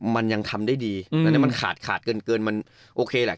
มันยังทำได้ดีแต่ถ้ามันขาดขาดเกินมันโอเคแหละ